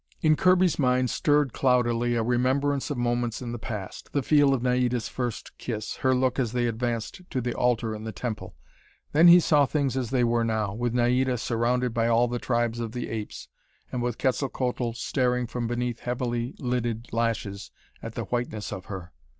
In Kirby's mind stirred cloudily a remembrance of moments in the past: the feel of Naida's first kiss, her look as they advanced to the altar in the temple. Then he saw things as they were now, with Naida surrounded by all the tribes of the apes, and with Quetzalcoatl staring from beneath heavily lidded lashes at the whiteness of her.